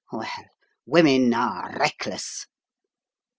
Well, women are reckless!